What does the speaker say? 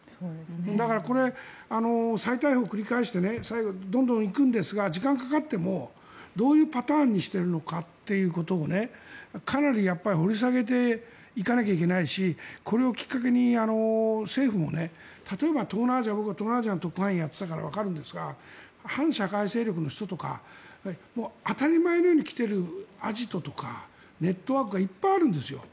だからこれ、再逮捕を繰り返してどんどん行くんですが時間がかかってもどういうパターンにしているのかということをかなり掘り下げていかなきゃいけないしこれをきっかけに政府も例えば、僕は東南アジアの特派員をやっていたからわかるんですが反社会勢力の人とか当たり前のように生きているアジトとかネットワークがいっぱいあるんですよ。